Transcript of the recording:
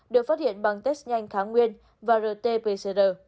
được phát hiện bằng test nhanh kháng nguyên và rt pcr